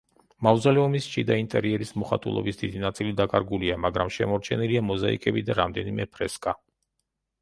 მავზოლეუმის შიდა ინტერიერის მოხატულობის დიდი ნაწილი დაკარგულია, მაგრამ შემორჩენილია მოზაიკები და რამდენიმე ფრესკა.